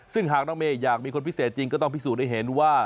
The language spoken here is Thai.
ซึ่งหากน้องเมย์อยากมีคนพิเศษจริงก็ต้องพิสูจน์ให้เห็นว่า